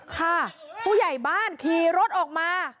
ค่ะผู้ใหญ่บ้านขี่รถออกมา